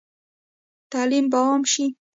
تعلیم به عام شي؟